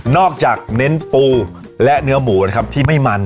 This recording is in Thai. เน้นปูและเนื้อหมูนะครับที่ไม่มัน